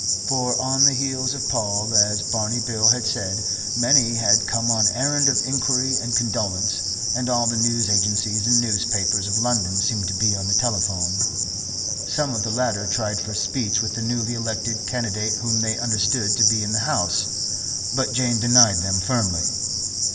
For, on the heels of Paul, as Barney Bill had said, many had come on errand of inquiry and condolence and all the news agencies and newspapers of London seemed to be on the telephone. Some of the latter tried for speech with the newly elected candidate whom they understood to be in the house, but Jane denied them firmly.